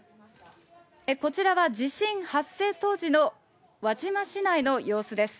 こちらは地震発生当時の輪島市内の様子です。